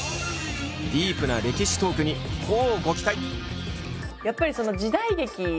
ディープな歴史トークに乞うご期待！